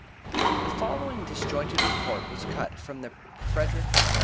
The following disjointed report was cut from the _Frederick (Md.)